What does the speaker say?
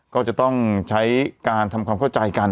ก็จะต้องใช้การทำความเข้าใจกัน